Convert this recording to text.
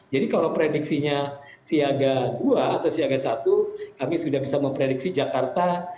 jadi kalau prediksinya siaga dua atau siaga satu kami sudah bisa memprediksi jakarta